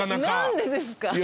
何でですか？